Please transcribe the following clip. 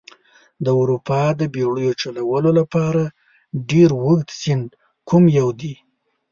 د اروپا د بیړیو چلولو ډېر اوږد سیند کوم یو دي؟